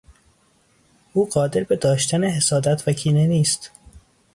او قادر به داشتن حسادت و کینه نیست.